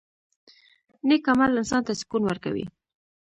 • نیک عمل انسان ته سکون ورکوي.